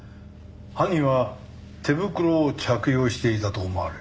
犯人は手袋を着用していたと思われる。